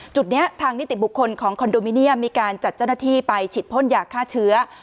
จุดนี้ทางนิติบุคคลของคอนโดมิเนียมมีการจัดเจ้าหน้าที่ไปฉีดพ่นยาฆ่าเชื้อ